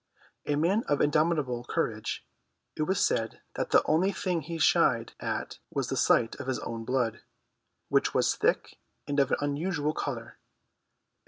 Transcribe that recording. A man of indomitable courage, it was said that the only thing he shied at was the sight of his own blood, which was thick and of an unusual colour.